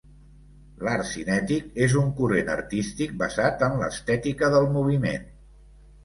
L’art cinètic és un corrent artístic basat en l’estètica del moviment.